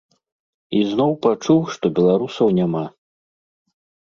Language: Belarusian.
І зноў пачуў, што беларусаў няма.